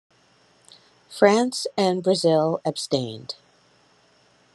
France and Brazil abstained.